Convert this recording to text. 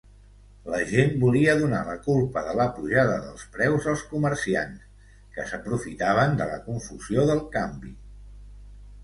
La gent volia donar la culpa de la pujada dels preus als comerciants que s'aprofitaven de la confusió del canvi.